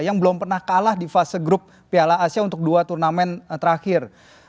yang belum pernah kalah di fase grup piala asia untuk dua turnamen terakhir